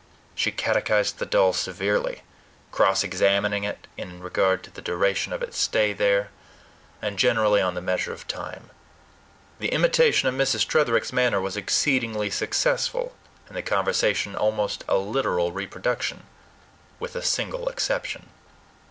She catechized the doll severely, cross examining it in regard to the duration of its stay there, and generally on the measure of time. The imitation of Mrs. Tretherick's manner was exceedingly successful, and the conversation almost a literal reproduction, with a single exception.